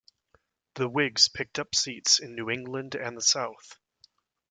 The Whigs picked up seats in New England and the South.